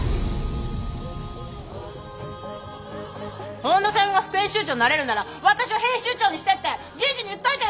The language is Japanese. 本田さんが副編集長になれるなら私を編集長にしてって人事に言っといてよ！